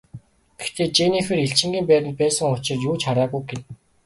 Гэхдээ Женнифер элчингийн байранд байсан учир юу ч хараагүй гэнэ.